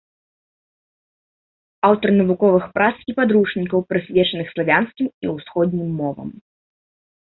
Аўтар навуковых прац і падручнікаў, прысвечаных славянскім і ўсходнім мовам.